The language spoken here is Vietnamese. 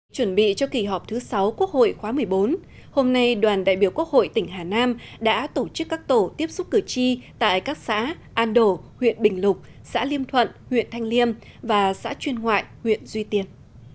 chuẩn bị cho kỳ họp thứ sáu quốc hội khóa một mươi bốn hôm nay đoàn đại biểu quốc hội tỉnh hà nam đã tổ chức các tổ tiếp xúc cử tri tại các xã an đổ huyện bình lục xã liêm thuận huyện thanh liêm và xã chuyên ngoại huyện duy tiên